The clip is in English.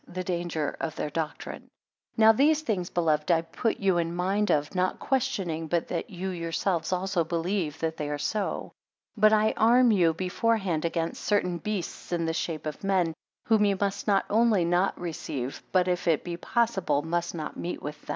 8 The danger of their doctrine. NOW these things, beloved, I put you in mind of, not questioning but that you yourselves also believe that they are so. 2 But I arm you before hand against certain beasts in the shape of men, whom you must not only not receive, but if it be possible must not meet with.